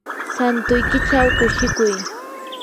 santuykichaw kushikuy.